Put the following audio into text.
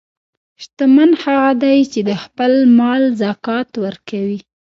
شتمن هغه دی چې د خپل مال زکات ورکوي.